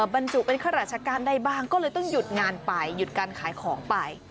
บรรจุเป็นข้าราชการได้บ้างก็เลยต้องหยุดงานไปหยุดการขายของไป